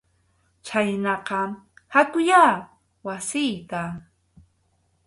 Chhaynaqa hakuyá wasiyta.